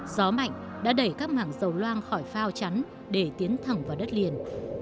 gió mạnh đã đẩy các mảng dầu loang khỏi phao chắn để tiến thẳng vào đất liền